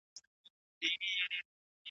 نو ځکه یې د هغه تقلید وکړ.